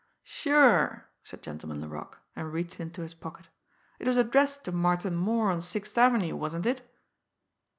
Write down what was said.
"Sure," said Gentleman Laroque and reached into his pocket. "It was addressed to Martin Moore on Sixth Avenue, wasn't it?"